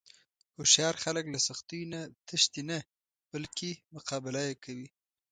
هوښیار خلک له سختیو نه تښتي نه، بلکې مقابله یې کوي.